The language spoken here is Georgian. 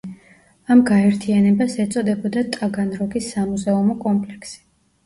ამ გაერთიანებას ეწოდებოდა „ტაგანროგის სამუზეუმო კომპლექსი“.